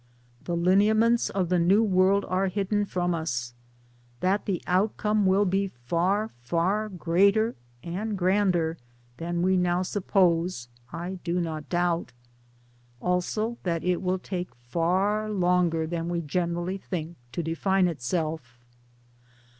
The lineaments of the new world are hidden from us. That the outcome will be far, far greater and grander than we now supppse, I do not doubt also that it will take far longer than we generally think to define itself.